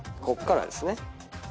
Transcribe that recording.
こっからですね。